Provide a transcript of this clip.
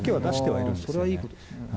それはいいことですね。